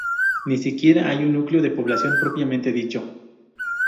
Ni siquiera hay un núcleo de población propiamente dicho.